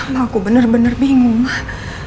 mbak aku bener bener bingung mbak